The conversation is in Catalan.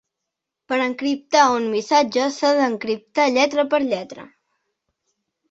Per encriptar un missatge s’ha d'encriptar lletra per lletra.